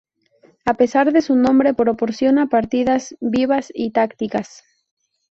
A pesar de su nombre proporciona partidas vivas y tácticas.